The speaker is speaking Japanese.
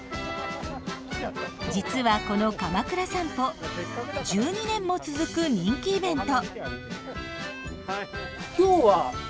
実はこのかまくら散歩１２年も続く人気イベント。